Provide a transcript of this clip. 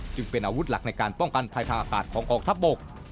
จึงเป็นอาวุธหลักในการป้องกันภัยทางอากาศของกองทัพบก